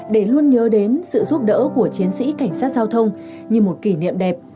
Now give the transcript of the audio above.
để luôn nhớ đến sự giúp đỡ của chiến sĩ cảnh sát giao thông như một kỷ niệm đẹp